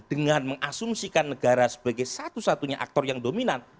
dengan mengasumsikan negara sebagai satu satunya aktor yang dominan